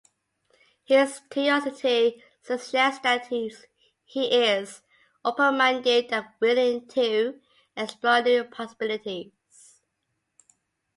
His curiosity suggests that he is open-minded and willing to explore new possibilities.